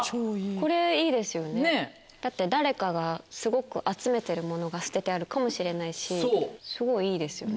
これいいですよねだって誰かがすごく集めてるものが捨ててあるかもしれないしすごいいいですよね。